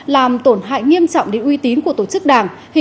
làm tổn hại nghiêm trọng đến uy tín của tổ chức đảng